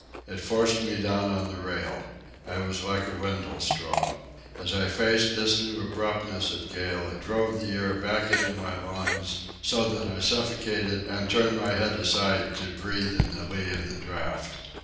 It forced me down on the rail. I was like a windle straw. As I faced this new abruptness of gale it drove the air back into my lungs, so that I suffocated and turned my head aside to breathe in the lee of the draught.